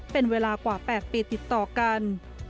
เป็นเวลากว่า๘ปีติดต่อกัน